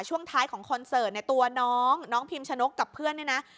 ช่วงท้ายของคอนเซิร์ตทรวนองค์น้องพิมชะนกกับเพื่อน